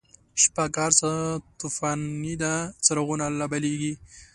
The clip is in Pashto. شپه که هرڅه توفانیده، څراغونه لابلیږی